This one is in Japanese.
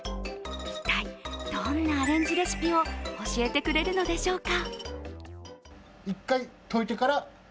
一体、どんなアレンジレシピを教えてくれるのでしょうか。